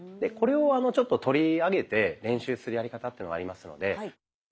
これをちょっと取り上げて練習するやり方っていうのがありますので。